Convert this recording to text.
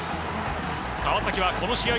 川崎はこの試合